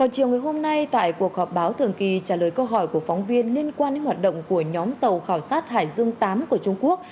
chiều ngày hôm nay tại cuộc họp báo thường kỳ trả lời câu hỏi của phóng viên liên quan đến hoạt động của nhóm tàu khảo sát hải dương viii của trung quốc